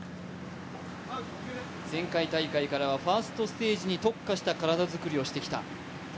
前回大会からファーストステージに特化した体作りをしてきた。